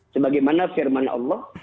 sebagaimana firman allah